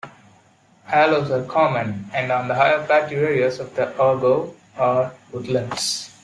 Aloes are common, and on the higher plateau areas of the Ogo are woodlands.